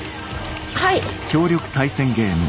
はい。